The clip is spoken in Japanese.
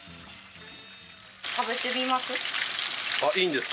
食べてみます？